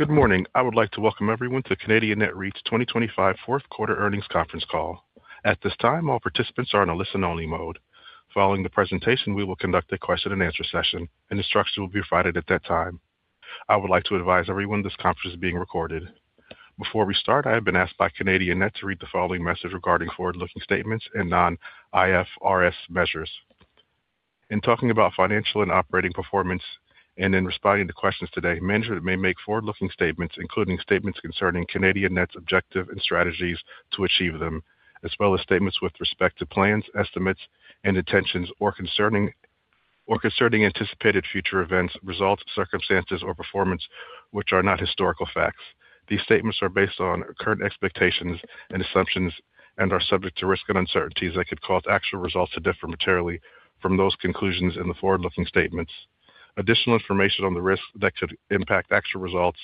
Good morning. I would like to welcome everyone to the Canadian Net REIT's 2025 fourth quarter earnings conference call. At this time, all participants are in a listen-only mode. Following the presentation, we will conduct a question and answer session, and instructions will be provided at that time. I would like to advise everyone this conference is being recorded. Before we start, I have been asked by Canadian Net to read the following message regarding forward-looking statements and non-IFRS measures. In talking about financial and operating performance and in responding to questions today, management may make forward-looking statements, including statements concerning Canadian Net's objectives and strategies to achieve them, as well as statements with respect to plans, estimates and intentions, or concerning anticipated future events, results, circumstances or performance which are not historical facts. These statements are based on current expectations and assumptions and are subject to risks and uncertainties that could cause actual results to differ materially from those conclusions in the forward-looking statements. Additional information on the risks that could impact actual results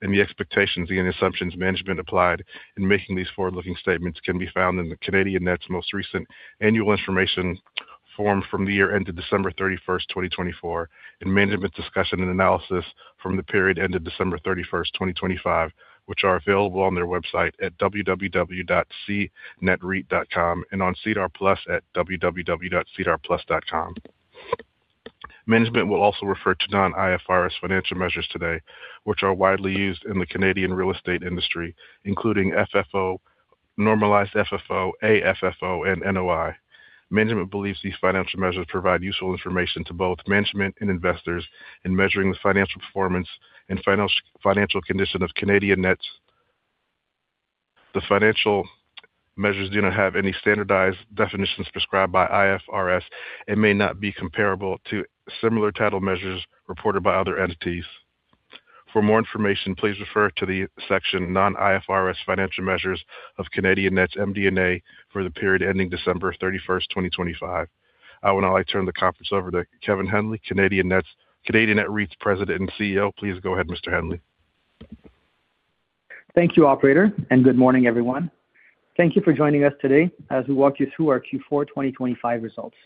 and the expectations and assumptions management applied in making these forward-looking statements can be found in the Canadian Net's most recent annual information form from the year ended December 31, 2024 and Management Discussion and Analysis from the period ended December 31, 2025, which are available on their website at www.cnetreit.com and on SEDAR+ at www.sedarplus.com. Management will also refer to non-IFRS financial measures today, which are widely used in the Canadian real estate industry, including FFO, normalized FFO, AFFO and NOI. Management believes these financial measures provide useful information to both management and investors in measuring the financial performance and financial condition of Canadian Net. The financial measures do not have any standardized definitions prescribed by IFRS and may not be comparable to similar total measures reported by other entities. For more information, please refer to the section non-IFRS Financial Measures of Canadian Net's MD&A for the period ending December 31, 2025. I would now like to turn the conference over to Kevin Henley, Canadian Net REIT's President and CEO. Please go ahead, Mr. Henley. Thank you, operator, and good morning, everyone. Thank you for joining us today as we walk you through our Q4 2025 results.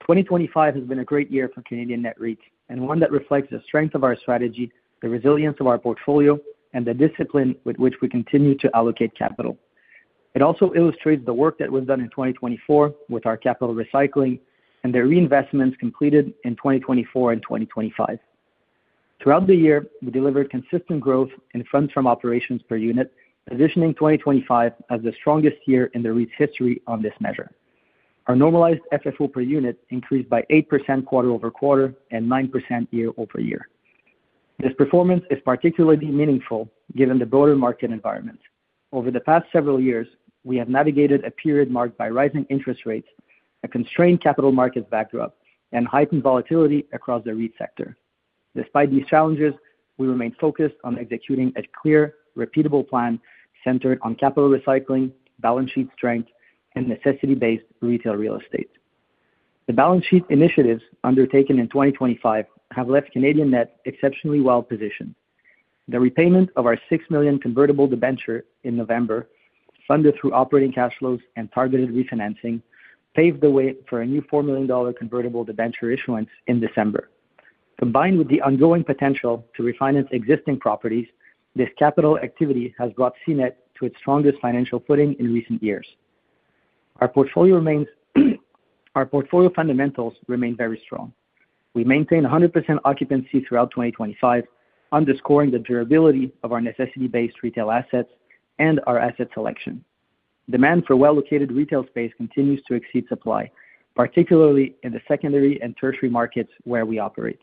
2025 has been a great year for Canadian Net REIT and one that reflects the strength of our strategy, the resilience of our portfolio, and the discipline with which we continue to allocate capital. It also illustrates the work that was done in 2024 with our capital recycling and the reinvestments completed in 2024 and 2025. Throughout the year, we delivered consistent growth in Funds From Operations per unit, positioning 2025 as the strongest year in the REIT's history on this measure. Our normalized FFO per unit increased by 8% quarter-over-quarter and 9% year-over-year. This performance is particularly meaningful given the broader market environment. Over the past several years, we have navigated a period marked by rising interest rates, a constrained capital market backdrop, and heightened volatility across the REIT sector. Despite these challenges, we remain focused on executing a clear, repeatable plan centered on capital recycling, balance sheet strength, and necessity-based retail real estate. The balance sheet initiatives undertaken in 2025 have left Canadian Net exceptionally well positioned. The repayment of our 6 million convertible debenture in November, funded through operating cash flows and targeted refinancing, paved the way for a new 4 million dollar convertible debenture issuance in December. Combined with the ongoing potential to refinance existing properties, this capital activity has brought CNet to its strongest financial footing in recent years. Our portfolio fundamentals remain very strong. We maintain 100% occupancy throughout 2025, underscoring the durability of our necessity-based retail assets and our asset selection. Demand for well-located retail space continues to exceed supply, particularly in the secondary and tertiary markets where we operate.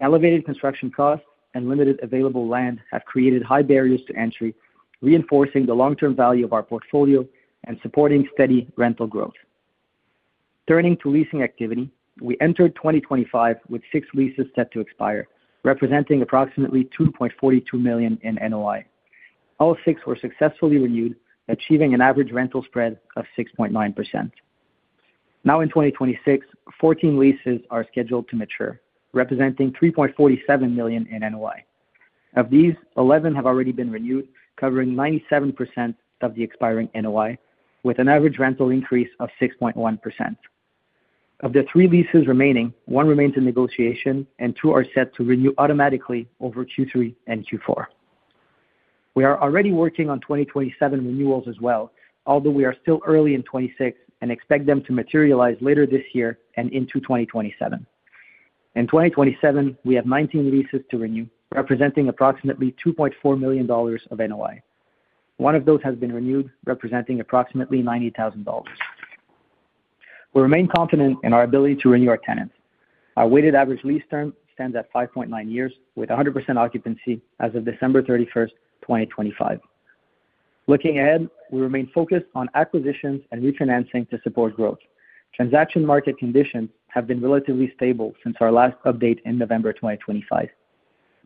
Elevated construction costs and limited available land have created high barriers to entry, reinforcing the long-term value of our portfolio and supporting steady rental growth. Turning to leasing activity. We entered 2025 with six leases set to expire, representing approximately 2.42 million in NOI. All six were successfully renewed, achieving an average rental spread of 6.9%. Now, in 2026, fourteen leases are scheduled to mature, representing 3.47 million in NOI. Of these, eleven have already been renewed, covering 97% of the expiring NOI with an average rental increase of 6.1%. Of the three leases remaining, one remains in negotiation and two are set to renew automatically over Q3 and Q4. We are already working on 2027 renewals as well, although we are still early in 2026 and expect them to materialize later this year and into 2027. In 2027, we have 19 leases to renew, representing approximately 2.4 million dollars of NOI. One of those has been renewed, representing approximately 90,000 dollars. We remain confident in our ability to renew our tenants. Our weighted average lease term stands at 5.9 years with 100% occupancy as of December 31, 2025. Looking ahead, we remain focused on acquisitions and refinancing to support growth. Transaction market conditions have been relatively stable since our last update in November 2025.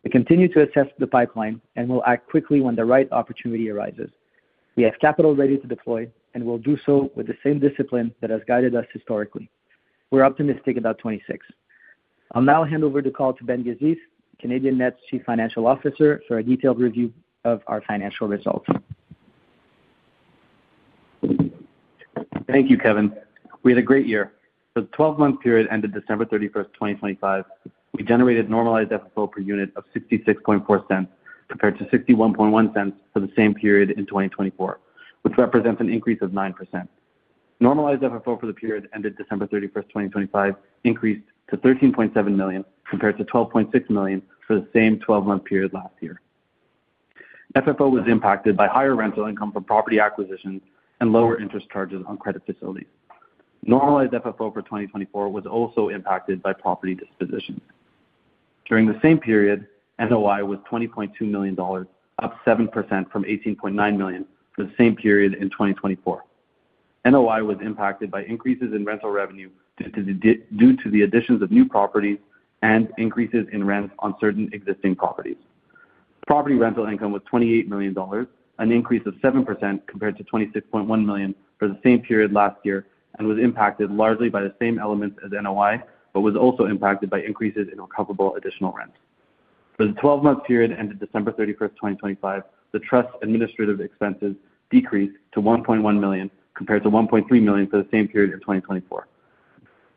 We continue to assess the pipeline and will act quickly when the right opportunity arises. We have capital ready to deploy, and we'll do so with the same discipline that has guided us historically. We're optimistic about 2026. I'll now hand over the call to Ben Gazith, Canadian Net's Chief Financial Officer, for a detailed review of our financial results. Thank you, Kevin. We had a great year. The 12-month period ended December 31, 2025, we generated normalized FFO per unit of 0.664 compared to 0.611 for the same period in 2024, which represents an increase of 9%. normalized FFO for the period ended December 31, 2025 increased to 13.7 million compared to 12.6 million for the same 12-month period last year. FFO was impacted by higher rental income from property acquisitions and lower interest charges on credit facilities. normalized FFO for 2024 was also impacted by property dispositions. During the same period, NOI was 20.2 million dollars, up 7% from 18.9 million for the same period in 2024. NOI was impacted by increases in rental revenue due to the additions of new properties and increases in rents on certain existing properties. Property rental income was 28 million dollars, an increase of 7% compared to 26.1 million for the same period last year, and was impacted largely by the same elements as NOI but was also impacted by increases in accountable additional rent. For the 12-month period ended December 31, 2025, the Trust's administrative expenses decreased to 1.1 million compared to 1.3 million for the same period in 2024.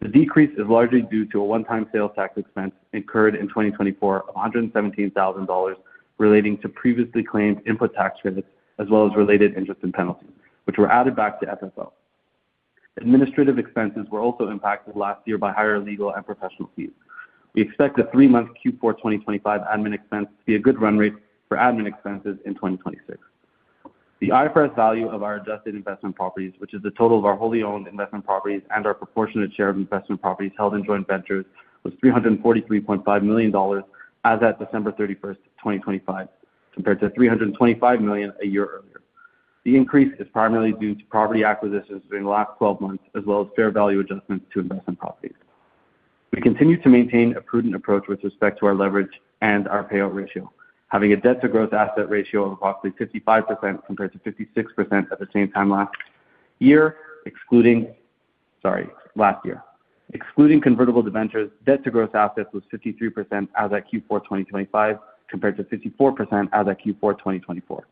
The decrease is largely due to a one-time sales tax expense incurred in 2024 of CAD 117,000 relating to previously claimed input tax credits as well as related interest and penalties, which were added back to FFO. Administrative expenses were also impacted last year by higher legal and professional fees. We expect the three-month Q4 2025 admin expense to be a good run rate for admin expenses in 2026. The IFRS value of our adjusted investment properties, which is the total of our wholly owned investment properties and our proportionate share of investment properties held in joint ventures, was 343.5 million dollars as of December 31, 2025, compared to 325 million a year earlier. The increase is primarily due to property acquisitions during the last 12 months as well as fair value adjustments to investment properties. We continue to maintain a prudent approach with respect to our leverage and our payout ratio, having a debt to gross asset ratio of approximately 55% compared to 56% at the same time last year. Excluding convertible debentures, debt to gross assets was 53% as of Q4 2025 compared to 54% as of Q4 2024.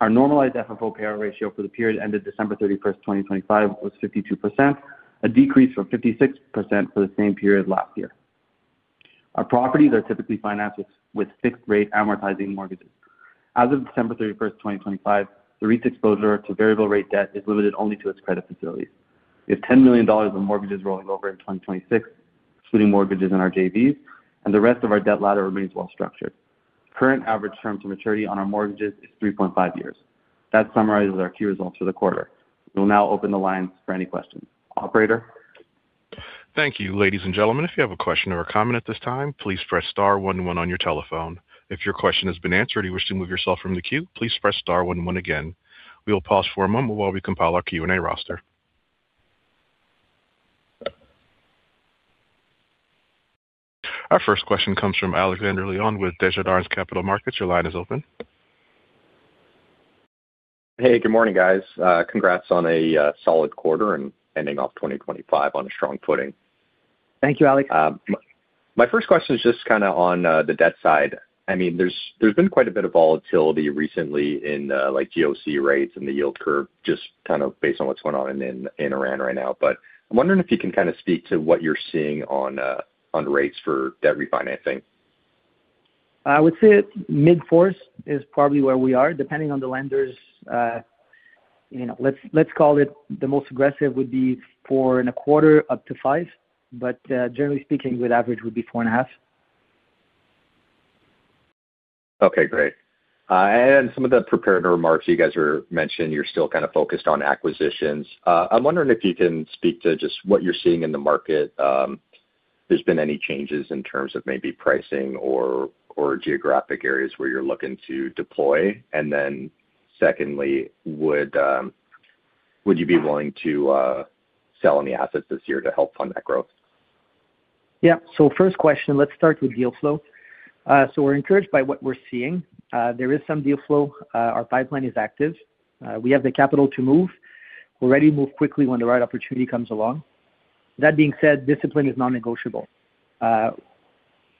Our normalized FFO payout ratio for the period ended December 31, 2025 was 52%, a decrease from 56% for the same period last year. Our properties are typically financed with fixed rate amortizing mortgages. As of December 31, 2025, the REIT's exposure to variable rate debt is limited only to its credit facilities. We have 10 million dollars of mortgages rolling over in 2026, excluding mortgages in our JVs, and the rest of our debt ladder remains well structured. Current average term to maturity on our mortgages is 3.5 years. That summarizes our key results for the quarter. We'll now open the lines for any questions. Operator? Thank you. Ladies and gentlemen, if you have a question or a comment at this time, please press star one one on your telephone. If your question has been answered and you wish to remove yourself from the queue, please press star one one again. We will pause for a moment while we compile our Q&A roster. Our first question comes from Alex Leon with Desjardins Capital Markets. Your line is open. Hey, good morning, guys. Congrats on a solid quarter and ending off 2025 on a strong footing. Thank you, Alex. My first question is just kinda on the debt side. I mean, there's been quite a bit of volatility recently in like GOC rates and the yield curve just kind of based on what's going on in Iran right now. I'm wondering if you can kinda speak to what you're seeing on rates for debt refinancing? I would say mid-fours is probably where we are, depending on the lenders. You know, let's call it the most aggressive would be 4.25%-5%, but generally speaking, good average would be 4.5%. Okay, great. Some of the prepared remarks you guys were mentioning, you're still kind of focused on acquisitions. I'm wondering if you can speak to just what you're seeing in the market. If there's been any changes in terms of maybe pricing or geographic areas where you're looking to deploy. Secondly, would you be willing to sell any assets this year to help fund that growth? Yeah. First question, let's start with deal flow. We're encouraged by what we're seeing. There is some deal flow. Our pipeline is active. We have the capital to move. We're ready to move quickly when the right opportunity comes along. That being said, discipline is non-negotiable.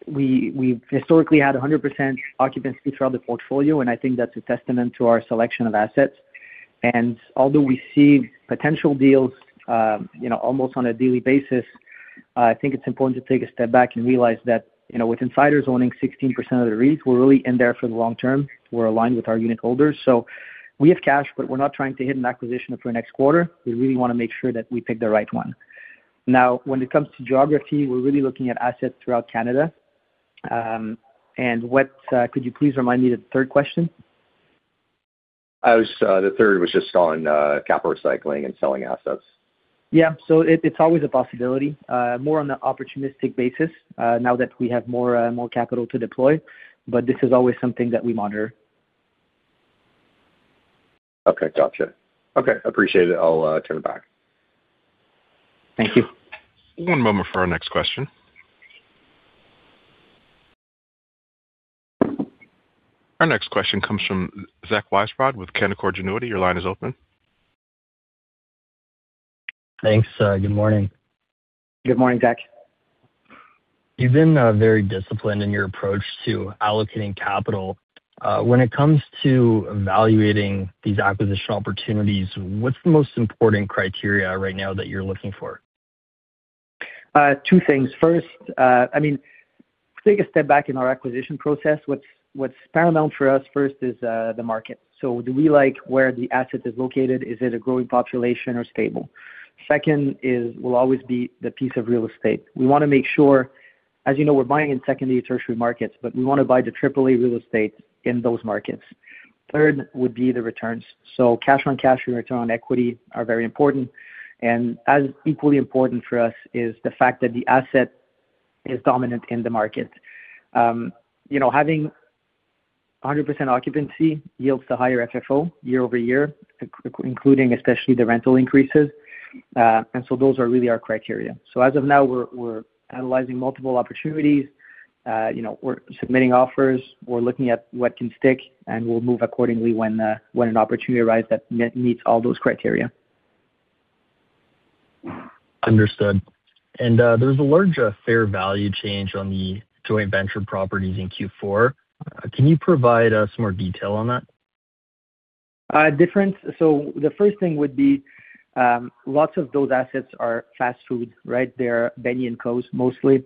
We've historically had 100% occupancy throughout the portfolio, and I think that's a testament to our selection of assets. Although we see potential deals, you know, almost on a daily basis, I think it's important to take a step back and realize that, you know, with insiders owning 16% of the REIT, we're really in there for the long term. We're aligned with our unit holders. We have cash, but we're not trying to hit an acquisition for next quarter. We really wanna make sure that we pick the right one. Now, when it comes to geography, we're really looking at assets throughout Canada. What, could you please remind me the third question? The third was just on capital recycling and selling assets. It's always a possibility, more on the opportunistic basis, now that we have more capital to deploy. This is always something that we monitor. Okay. Gotcha. Okay. Appreciate it. I'll turn it back. Thank you. One moment for our next question. Our next question comes from Zachary Weisbrod with Canaccord Genuity. Your line is open. Thanks. Good morning. Good morning, Zach. You've been very disciplined in your approach to allocating capital. When it comes to evaluating these acquisition opportunities, what's the most important criteria right now that you're looking for? Two things. First, I mean, take a step back in our acquisition process. What's paramount for us first is the market. Do we like where the asset is located? Is it a growing population or stable? Second is will always be the piece of real estate. We wanna make sure. As you know, we're buying in secondary, tertiary markets, but we wanna buy the triple A real estate in those markets. Third would be the returns. Cash on cash return on equity are very important, and as equally important for us is the fact that the asset is dominant in the market. You know, having 100% occupancy yields to higher FFO year-over-year, including especially the rental increases. Those are really our criteria. As of now we're analyzing multiple opportunities, you know, we're submitting offers, we're looking at what can stick, and we'll move accordingly when an opportunity arises that meets all those criteria. Understood. There's a large fair value change on the joint venture properties in Q4. Can you provide some more detail on that? Difference. The first thing would be, lots of those assets are fast food, right? They're Benny&Co.'s mostly.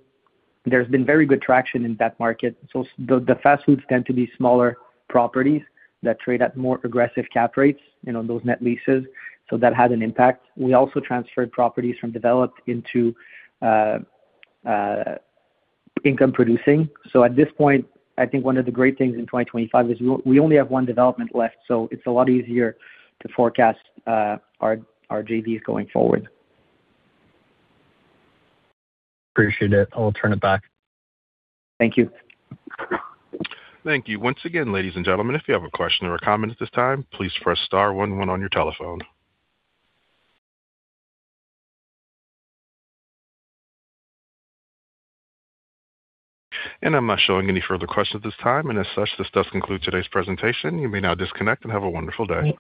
There's been very good traction in that market. The fast foods tend to be smaller properties that trade at more aggressive cap rates, you know, those net leases. That has an impact. We also transferred properties from developed into income producing. At this point, I think one of the great things in 2025 is we only have one development left, so it's a lot easier to forecast our JVs going forward. Appreciate it. I'll turn it back. Thank you. Thank you. Once again, ladies and gentlemen, if you have a question or a comment at this time, please press star one one on your telephone. I'm not showing any further questions at this time. As such, this does conclude today's presentation. You may now disconnect and have a wonderful day.